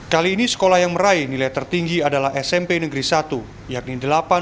kali ini sekolah yang meraih nilai tertinggi adalah smp negeri satu yakni delapan